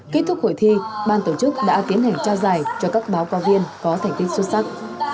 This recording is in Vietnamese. kết thúc hội thi ban tổ chức đã tiến hành trao giải cho các báo cáo viên có thành tích xuất sắc